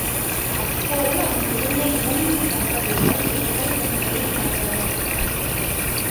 அப்போது அங்கிருந்த இளந்தம்பதிகள் எங்கள் கண்களில் பட்டனர்.